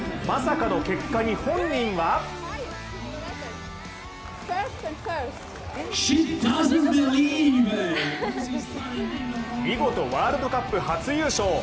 まさかの結果に本人は見事ワールドカップ初優勝。